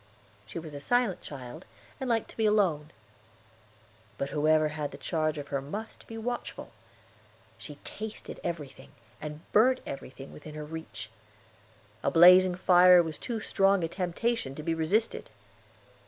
She was a silent child, and liked to be alone. But whoever had the charge of her must be watchful. She tasted everything, and burnt everything, within her reach. A blazing fire was too strong a temptation to be resisted.